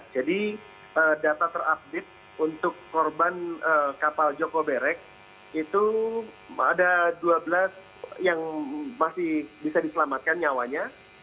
jadi data terupdate untuk korban kapal joko bereg itu ada dua belas yang masih bisa diselamatkan nyawanya